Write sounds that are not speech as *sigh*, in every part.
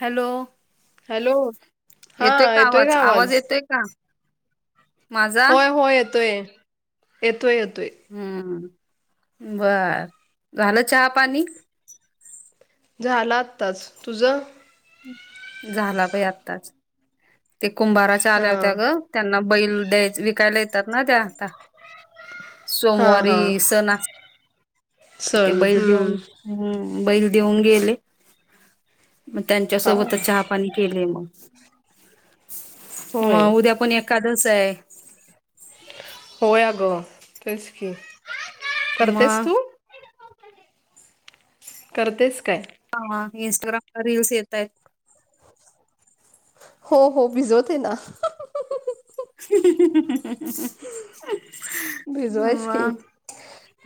Hello hello येतोय का आवाज, आवाज येतोय का? माझा होय होय येतोय, येतोय येतोय. हूं बर झालं चहा पाणी? झाला आत्ताच तुझं? झाला बाई आताच ते कुंभारा चा हा आल्या होत्या ग त्यांना बैल द्याय विकायला येतात ना त्या आता. हा सोमवारी हा सण. ते सण बैल हम्म देऊन हूं बैल देऊन गेले. म त्यांच्या हा सोबतच चहा पाणी केलेय म. होय म उद्या पण एखादस आहे. होय अगं तेच की, करतेस तू? मग करतेस काय? हा इंनस्टाग्रामवर रीलस येतांय. हो. हो भिजवते ना. *inaudible* भिजवायस की. मग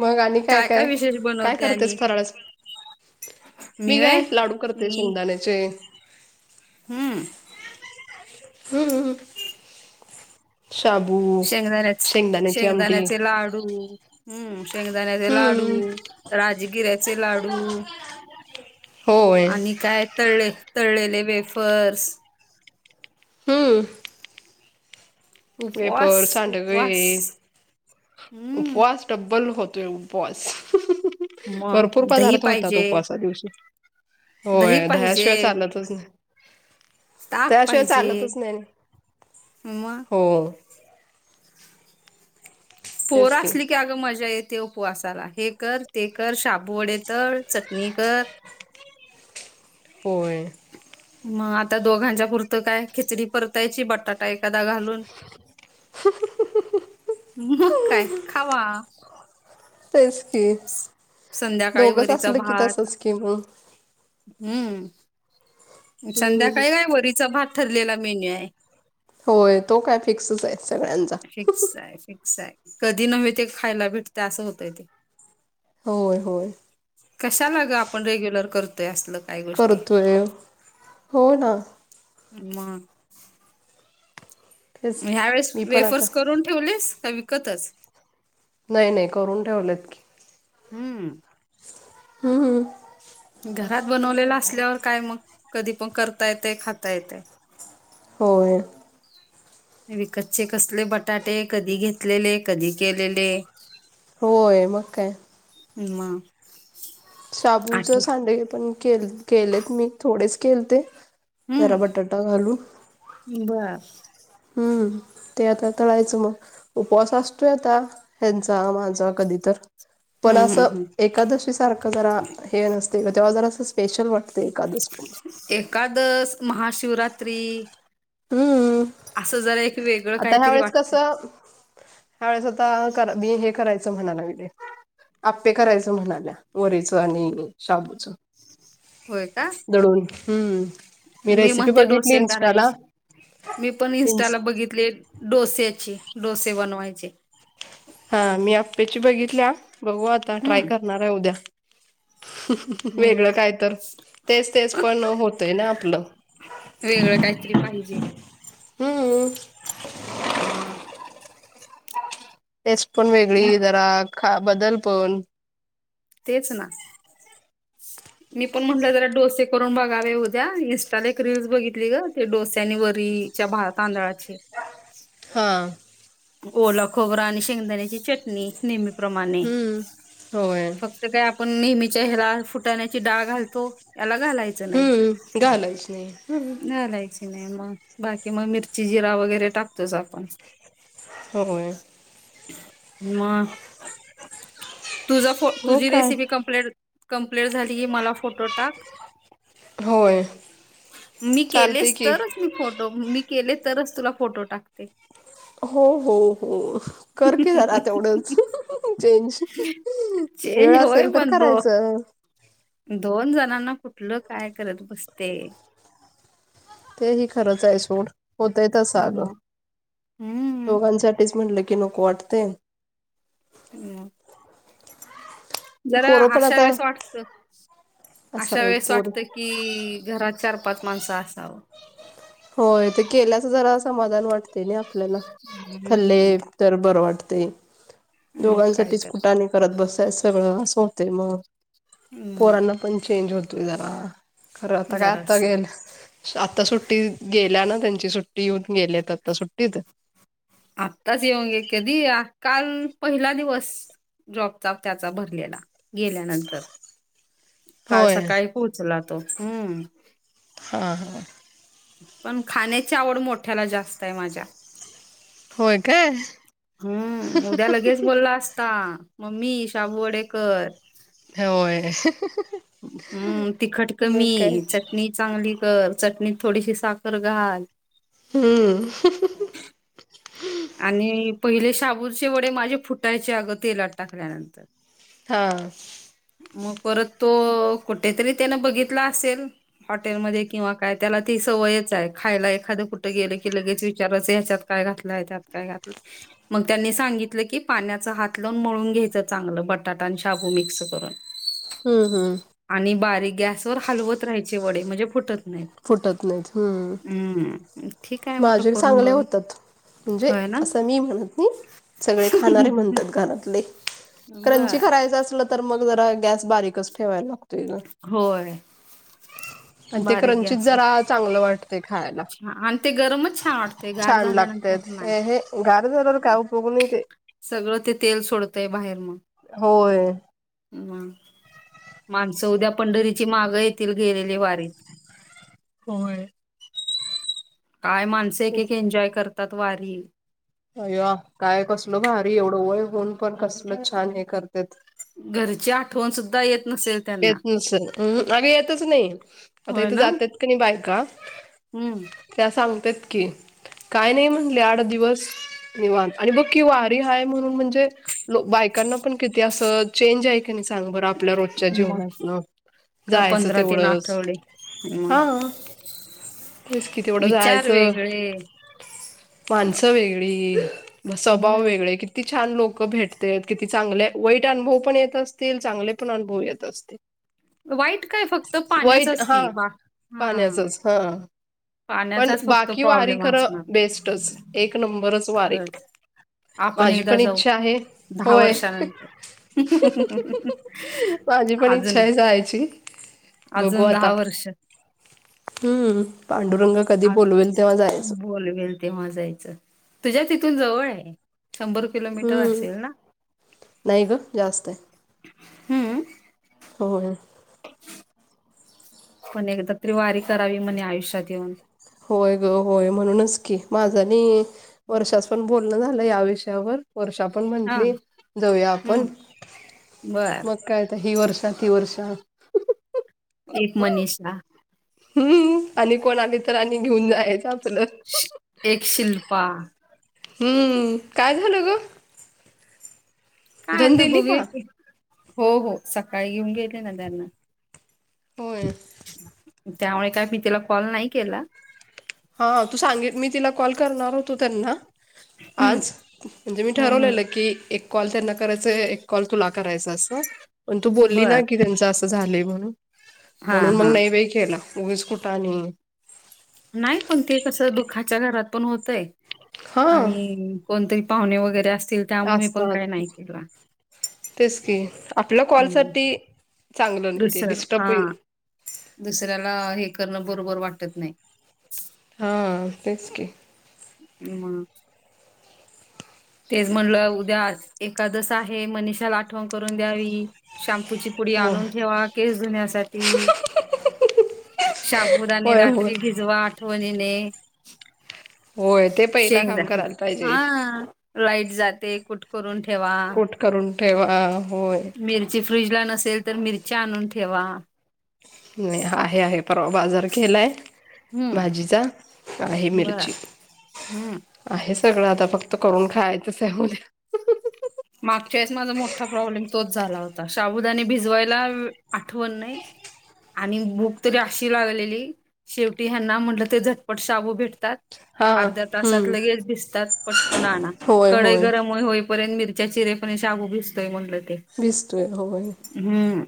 मग आणि काय काय, विशेष काय बनवते आणि करतेस फराळाचं. मी काय लाडू करते शेंगदाण्याचे. हूं! हूं हूं! शाबू! शेंगदाण्याच शेंगदाण्याची आमटी शेंगदाण्याचे लाडू. हूं शेंगदाण्याचे लाडू, हम्म राजगिऱ्याचे लाडू. होय आणि काय तळळे, तळलेले वेफर्स. हम्म. उपवास वेफर्स, सांडगे, उपवास हम्म उपवास डब्बल होतोय उपवास, मग भरपूर दही पदार्थ होतात पाहिजे उपवासा दिवशी. दही होय पाहिजे दह्याशिवाय चालतच नाही. ताक त्याशिवाय चालतच नाही. म. हो. पोर असली की अगं मजा ये ते उपवासाला हे कर ते कर शाबू वडे तळ चटणी कर. होय. मग आता दोघांच्या पुरतं काय खिचडी परतायची बटा ट एखादा घालून, मग काय खावा. तेच की, संध्याकाळी दोघच वरीचा असल की भात तसच की म. हम्म, संध्याकाळी काय वरीचा भात ठरलेला मेन्यू आहे. होय तो काय फिक्सच आहे सगळ्यांचा. फिक्स आहे फिक्स आहे, कधी नव्हे ते खायला भेटते असं होतय ते. होय होय. कशाला ग आपण रेग्युलर करतोय असल? करतोय, हो ना. म. तेच. म ह्या वेळेस मी पण आता वेफर्स करून ठेवलेस का विकतच? नाही नाही करून ठेवलेत की. हम्म. हम्म हम्. घरात बनवलेलं असल्यावर काय मग, कधी पण करता येतय खाता येतय. होय. विकतचे कसले बटाटे कधी घेतलेले कधी केलेले? होय मग काय? म. शाबूच सांडगे पण केल- केलेत मी थोडेच केलेते. जरा हम्म बटाटा घालू बर. हम्म, ते आता तळायचं म. उपवास असतोय आता, ह्यांचा माझा कधी तर. पण हम्म असं हम्म हम्म एकादशी सारखं जरा हे नसतय तेव्हा जरा असं स्पेशल वा तय एकादशी. एकादश, महाशिवरात्री हम्म. असं जरा एक वेगळं आता ह्या काहीतरी वेळेस वाटतंय कसं, ह्यावेेळेस आता करा मी हे करायचं म्हणाय लागले. आप्पे करायचं म्हणाल्या, वरीच आणि शाबूचं. होय का? दळून हम्म, मी रेसिपी म्हणते बघितली डोसे इस्टाला, इन बघितलेत. डोस्याची, डोसे बनवायचे. हा, मी आप्प्याची बघितल्या. बघू आता ट्राय हम्म करणाराय उद्या. हो, वेगळं काय तर. तेच- तेच पण होतंय ना, आपलं. वेगळं काहीतरी पाहिजे. हम्म ह. टेस्ट पण मी वेगळी जरा. खा- बदल पण. तेच ना. मी पण म्हटलं, जरा डोसे करून बघावे उद्या. इन्स्टाला एक रीलस बघितली गं. ते डोसे आणि वरी च्या, भा तांंदळाची. हा. ओला खोबरा आणि शेंगदाण्याची चटणी. नेहमी प्रमाणे. हम्म होय फक्त काय आपण नेहमीच्या ह्याला, फुटाण्याची डाळ घालतो याला घालायचं नाही. हम्म घालायच नाही घालायचं नाही मग. बाकी मग मिरची, जिरा वगैरे टाकतोच आपण. होय. मग. तुझ फो हो तुझी काय रेसिपी कंप्लेट कंप्लेट झाली की, मला फोटो टाक. होय मी चालतय केलेस की तर मी फोटो, मी केले, तरच तुला फोटो टाकते. हो, हो, हो. कर की जारा तेवढच. चेंज. वेळ चेंज होय असेल तर पण दो करायचं. दोन जणांना कुठलं, काय करत बसते? ते ही, खरंचय सोड. होतय तस अगं. हम्म हम्म. दोघांसाठी तेच म्हणलं की, नको वाटतय. हम्. जरा, पोरं पण अशा आता वेळेस वाटत. अशा असावेत वेळेस पोर वाटतंय कि, घरात चार - पाच माणसं असावं. होय. ते केल्याच जरा, समाधान वाटते ना आपल्याला. खाल्ले हम्म. तर बरं वाटतय. मग काय दोघांसाठीच तर कुठाने करत बसाय सगळं. असं होते मग. मग पोरांना पण चेंज होतोय जरा. खरं, आता काय? आता जरास गेल, आता सुट्टी गेल्या ना, त्यांची सुट्टी येऊन गेलेत आता. सुट्टीत आत्ताच येऊन *unintelligible* कधी काल पहिला दिवस. जॉबचा त्याचा भरलेला. गेल्यानंतर. काल होय सकाळी पोहोचला तो. हम्म. हा, हा. पण खाण्याची आवड, मोठ्याला जास्तय माझ्या. होय काय हम्. उद्या लगेच बोलला असता मम्मी, शाबू वडे कर. होय. हम्म. तिखट मग काय कमी. चटणी चांगली कर. चटणीत थोडीशी साखर घाल. हम्म. आणि पहिले शाबूचे वडे, माझे फुटायचे अगं. तेलात टाकल्यानंतर. हां. मग परत तो, कुठेतरी त्यानं बघितला असेल. हॉटेलमध्ये किंवा काय. त्याला ती सवयचाय. खायला एखादं कुठं गेलं की, लगेच विचारायचं ह्याच्यात काय घातलंय? त्यात काय घातलं? मग त्यांनी सांगितलं की पाण्याच हात लावून मळून घ्यायच चांगलं बटाटा आणि शाबू मिक्स. *inaudible* हम्म हम् आणि बारीक गॅसवर हलवत राहायचे वडे म्हणजे फुटत नाहीत. फुटत नाहीत. हम्म हम्म ठीक आहे म्हणलं माझे करून चांगले बघू. होतात. म्हणजे होय ना? असं मी म्हणत नाही सगळे खाणारे म्हणतात घरातले. क्रंची बर करायचं असल तर मग जरा गॅस बारीकचं ठेवा लागतो होय पण ते बारीक गॅसवर आ चांगलं वाट ते खायला हा आणि ते गरमच छान वाटतंय गार छान लागत झाल्यानंतर नाही. यहे गार झाल्यावर काय उ भुगणी ते सगळं ते तेल सोडतय बाहेर मग. होय हम्म माणसं उद्या पंढरीची मागं येतील गेलेले वारीत. होय. काय माणसं एक तेच एक एन्जॉय करतात वारी हेओ काय कसल भारी एवढं वय होऊन पण कसल छान हे करते. घरची आठवण सुुद्धा येत नसेल. त्यांना येत नसल यहम अग येतच नाही आता होय इथे ना? जातात क नाही बायका हम्म. त्या सांगतत की काय नाही म्हणले आठ दिवस निवांत आणि बघ कि वारी हाय म्हणून म्हणजे लो बायकांना पण किती असं चेंज आहे. सांग बर आपल्या *unintelligible* मग *unintelligible* क- जायचं पंधरा तीन तेवढंच आठवडे मग हा. तेच कि तेवढं विचार जायचं. वेगळे माणसं वेगळी म स्वभाव हम्म वेगळे. किती छान लोक भेटते किती चांगले वाईट अनुभव पण येत असतील चांगले पण अु भव येत असतील. वाईट काय फक्त वाईट पाण्याचाच की हा बा हा पाण्याचच हा. पण पाण्याचाच फक्त बाकी वारी प्रॉब्लेम खरं असणार बेस्टच एक नंबरच वारी. खरंच आपण माझी एकदा पण जाऊ इच्छा आहे. होय. वर्षानंतर. *unintelligible* माझी पण इच्छा अजून आहे जायची, बघू अजून आता. वर्ष हम्म पांडुरंग कधी आज बोलवेल तेव्हा जायचं. बोलवेल तेव्हा जायचं. तुझ्या तथून जवळ आहे? शंभर हम्म नाही ग जास्त आहे. हम्म. होय. पण एकदा तरी वारी करावी म्हणे आयुष्यात येऊन. होय ग होय म्हणूनच की माझं नी वर्षाच पण बोल बोलन झालं या विषयावर. वर्षा पण हां. म्हणली जाऊया हं. आपण. बरं. मग काय ही वर्ष ती वर्ष. एक मनीषा. हम्म आणि कोण आले तरी आणि घेऊन जायचं आपलं. श एक शिल्पा, हम्म काय झालं ग? काय धन आता दिली बघूया का? कि हो हो सकाळी घेऊन गेले ना त्यांना होय, त्यामुळे काय मी तिला कॉल नाही केला, हा तू सांगी मी तिला कॉल करणार होतो त्यांना हं. आज म्हणजे मी हं, हं. ठरवलेलं की एक, कॉल त्यांना करायच एक कॉल तुला करायचा असं पण, तू बोली ना बरं. की त्यांच असं झालं म्हणून, हां, म्हणून मग हां. नाही बाई केला उगीच कुठं आणि, नाही पण ते कसं दुःखाच्या घरात पण होतय हा आणि, कोणतरी पाहुणे वगैरे असतील, त्यामुळे मी पण काय असतात नाही केला तेच की आपल्या हम्म. कॉलसाठी चांगलं नाही ते दुसरं हा डिस्टर्बिंग दुसऱ्याला हे करणं बरोबर वाटत नाही, हा तेच की, मग. तेच म्हणलं उद्या एकादास आहे मनीषाला आठवण करून द्यावी शॅम्पूची, पुुडी हो आणून ठेवा केस धुण्यासाठी, शाबुदाने होय होय रात्री भिजवा आठवणीने, होय ते पहिला शेंगदा काम करायला पाहिजे हा लाईट जाते कुठ करून ठेवा, कुट करून ठेवा होय, मिरची फ्रीज ला नसेल तर मिरची आणून ठेवा, नाही आहे आहे परवा बाजार केलाय, हं, भाजीचा आहे बरं. मिरची, हम्म आहे सगळं आता फक्त करून खायचंच आहे म मागच्या वेळेस माझा मोठा प्रॉब्लेम तोच झाला होता शाबुदानी भिजवायला आठवण नाही, आणि भूक तरी अशी लागलेली शेवटी ह्यांना म्हटलं ते झटपट शाबू भेटतात, हा अर्ध्या तासात हम्म लगेच भिजतात पटकन आणा होय कडई होय गरम हो होईपर्यंत मिर, च्या चिरे पण शाबू भिसतोय म्हणल ते, भीजतोय होय. हम्म.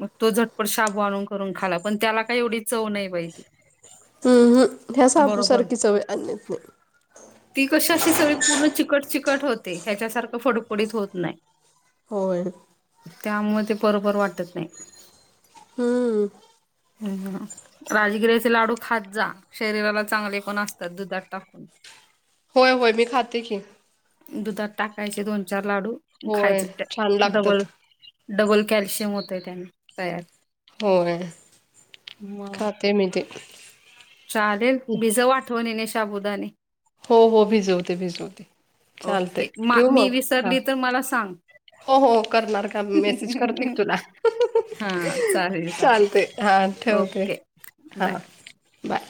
मग तो झटपट शाबू आणून करून खाला, पण त्याला काही एवढी चव नाही बाई ती. हु हु ह्या बरोबर शाबुसारखी चव आणत नाही, ती कशी अशी सगळी पूर्ण चिकट चिकट होत ते ह्याच्यासारखं फडफडीत होत नाही, होय. त्यामुळ ते बरोबर वाटत नाही. हम्म. हम्म राजगिर्याचे लाडू खात जा शरीराला चांगले पण असतात दुधात टिकून, होय होय मी खाते की. दुधात टाकायचे दोन चार लाडू होय खायचे छान लागतात डबल. डब्बल कॅल्शियम होतय त्यांनी तयार होय मग खाते मी ते. चालेल भिजव आठवणीने शाभुदाने. हो हो भिजवते भिजवते, चालते ओके म ठेवू मी मग हा विसरली तर मला सांग हो हो करणार करणार मेसेज करते की तुला. हा चालेल चालेल चालते हा ठेवते, ओके बाय हा बाय.